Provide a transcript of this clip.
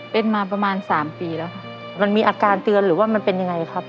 เป็นมาประมาณสามปีแล้วค่ะมันมีอาการเตือนหรือว่ามันเป็นยังไงครับ